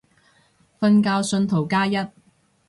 瞓覺信徒加一